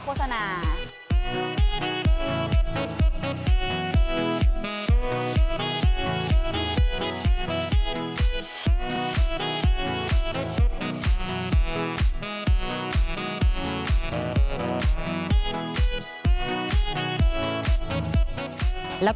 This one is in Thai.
คุณผู้ชมค่ะ